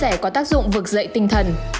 những chia sẻ có tác dụng vực dậy tinh thần